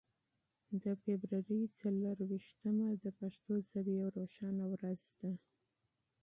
د فبرورۍ څلور ویشتمه د پښتو ژبې یوه روښانه ورځ ده.